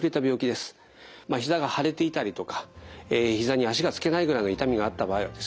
ひざが腫れていたりとかひざに足が着けないぐらいの痛みがあった場合はですね